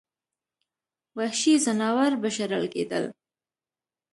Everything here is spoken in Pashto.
وحشي ځناور به شړل کېدل.